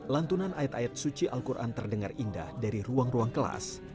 lantunan ayat ayat suci al quran terdengar indah dari ruang ruang kelas